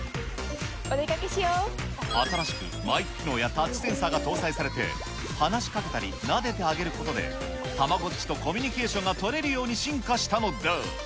新しくマイク機能やタッチセンサーが搭載されて、話しかけたり、なでてあげることで、たまごっちとコミュニケーションが取れるように進化したのだ。